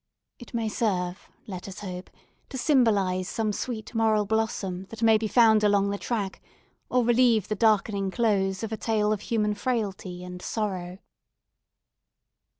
It may serve, let us hope, to symbolise some sweet moral blossom that may be found along the track, or relieve the darkening close of a tale of human frailty and sorrow.